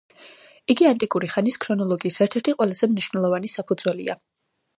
იგი ანტიკური ხანის ქრონოლოგიის ერთ-ერთი ყველაზე მნიშვნელოვანი საფუძველია.